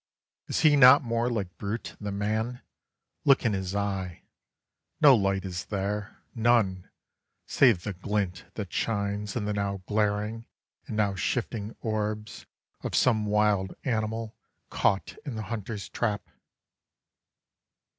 Is he Not more like brute than man? Look in his eye! No light is there; none, save the glint that shines In the now glaring, and now shifting orbs Of some wild animal caught in the hunter's trap.